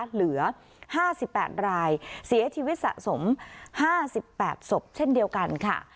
เหลือ๕๘รายเสียชีวิตสะสม๕๘ศพเช่นเดียวกันค่ะ